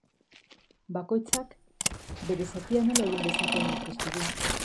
Bakoitzak bere zatia nola egin dezakeen aurkezten du.